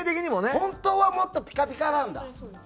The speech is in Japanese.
本当はもっとピカピカなんだ。